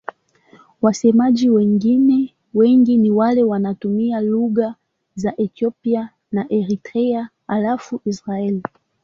Wasemaji wengine wengi ni wale wanaotumia lugha za Ethiopia na Eritrea halafu Israel.